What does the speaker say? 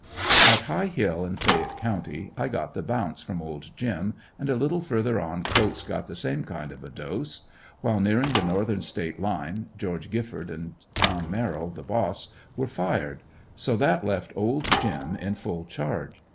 At High Hill in Fayette county I got the bounce from old Jim and a little further on Coats got the same kind of a dose; while nearing the northern state line Geo. Gifford and Tom Merril, the boss, were fired; so that left old Jim in full charge.